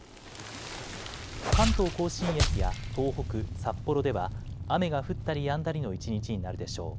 関東甲信越や東北、札幌では雨が降ったりやんだりの一日になるでしょう。